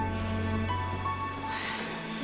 setiap tante lihat kamu